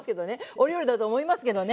お料理だと思いますけどね。